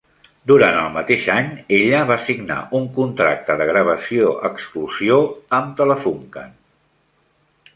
Durant el mateix any, ella va signar un contracte de gravació exclusió amb Telefunken.